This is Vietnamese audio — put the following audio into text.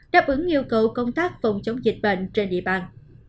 đáp ứng yêu cầu công tác phòng chống dịch bệnh trên địa bàn